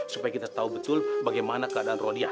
supaya kita tahu betul bagaimana keadaan rodiah